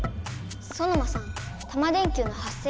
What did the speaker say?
ソノマさんタマ電Ｑの発生